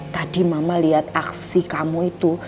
tadi mama lihat aksi kamu itu